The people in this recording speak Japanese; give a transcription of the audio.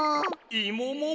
「いももも」？